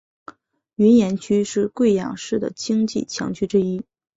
云岩区是贵阳市的经济强区之一。